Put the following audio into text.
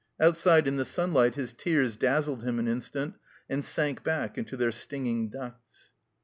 Outside in the sunlight his tears dazzled him an instant and sank back into their stinging ducts.